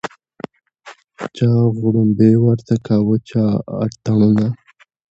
چا غړومبی ورته کاوه چا اتڼونه